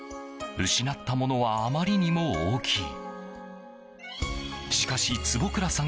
失ったものはあまりにも大きい。